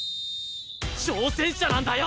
挑戦者なんだよ！